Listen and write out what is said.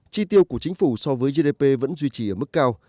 chi tiêu của chính phủ so với gdp vẫn duy trì ở mức cao